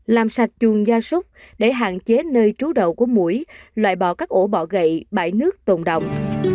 làm sạch chuồng gia súc để hạn chế nơi trú đậu của mũi loại bỏ các ổ bọ gậy bãi nước tồn động